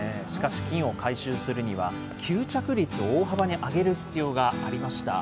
しかし、金を回収するには、吸着率を大幅に上げる必要がありました。